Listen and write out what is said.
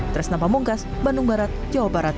tresnapa mungkas bandung barat jawa barat